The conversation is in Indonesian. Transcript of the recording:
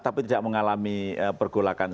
tapi tidak mengalami pergolakan